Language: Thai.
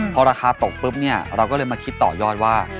พอราคาตกปุ๊บเนี่ยเราก็เลยมาคิดต่อยอดว่า